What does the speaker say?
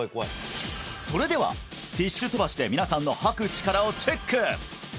それではティッシュ飛ばしで皆さんの吐く力をチェック！